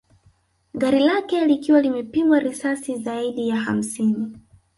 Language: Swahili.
Gari lake likiwa limepigwa risasi zaidi ya hamsini